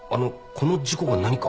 この事故が何か？